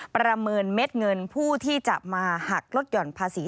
ประเมินเม็ดเงินผู้ที่จะมาหักลดหย่อนภาษี